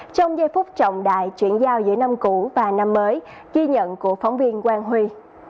trong giây phút trọng đại chuyển giao giữa năm cũ và năm mới ghi nhận của phóng viên quang huy